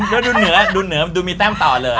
แล้วดูเหนือดูเหนือดูมีแต้มต่อเลย